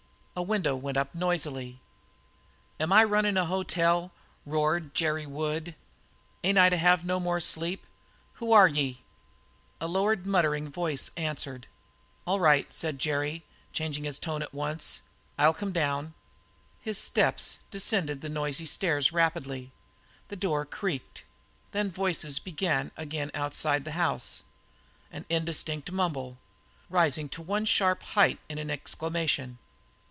A window went up noisily. "Am I runnin' a hotel?" roared Jerry Wood. "Ain't I to have no sleep no more? Who are ye?" A lowered, muttering voice answered. "All right," said Jerry, changing his tone at once. "I'll come down." His steps descended the noisy stairs rapidly; the door creaked. Then voices began again outside the house, an indistinct mumble, rising to one sharp height in an exclamation.